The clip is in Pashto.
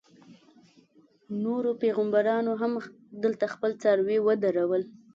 نورو پیغمبرانو هم دلته خپل څاروي ودرول.